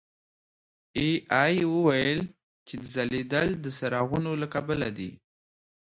اې ای وویل چې ځلېدل د څراغونو له کبله دي.